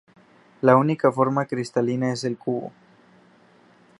La única forma cristalina es el cubo.